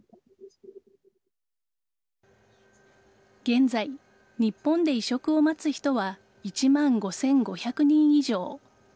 現在、日本で移植を待つ人は１万５５００人以上。